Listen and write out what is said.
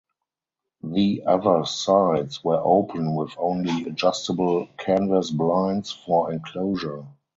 The other sides were open with only adjustable canvas blinds for enclosure.